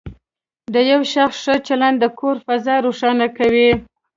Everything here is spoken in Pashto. د یو شخص ښه چلند د کور فضا روښانه کوي.